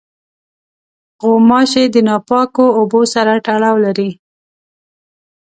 غوماشې د ناپاکو اوبو سره تړاو لري.